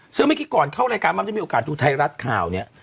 ซึ่งเมื่อกี้ก่อนเข้ารายการมันจะมีโอกาสดูไทยรัฐข่าวเนี่ย